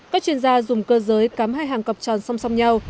các chuyên gia dùng cơ giới cắm hai hàng cọc tròn song song nhau